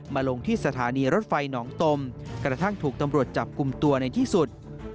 ลงที่สถานีรถไฟหนองตมกระทั่งถูกตำรวจจับกลุ่มตัวในที่สุด